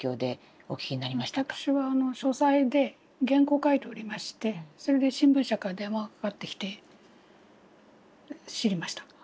私は書斎で原稿を書いておりましてそれで新聞社から電話がかかってきて知りました。